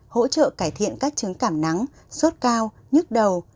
hỗ trợ cải thiện các chứng cảm nắng sốt cao nhức đầu